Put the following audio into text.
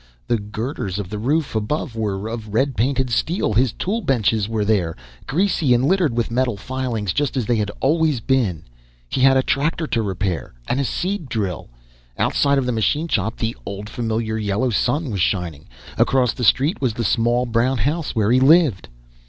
The girders of the roof above were of red painted steel. His tool benches were there, greasy and littered with metal filings, just as they had always been. He had a tractor to repair, and a seed drill. Outside of the machine shop, the old, familiar yellow sun was shining. Across the street was the small brown house, where he lived.